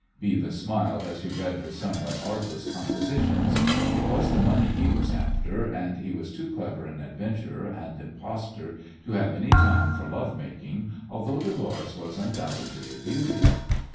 Beavis smiled as he read her somewhat artless compositions. It was the money he was after, and he was too clever an adventurer and impostor to have any time for love making, although Dolores was undoubtedly a beauty.